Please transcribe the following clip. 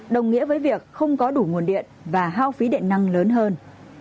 đồng nghĩa với việc không có đủ nguồn điện và hao phí điện năng lớn hơn